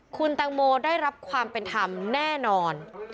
คุณแตงโมได้รับความเป็นธรรมแน่นอน